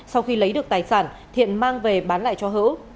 sau khi lấy được tài sản thiện mang về bán lại cho hữu